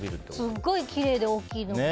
すごいきれいで大きくて。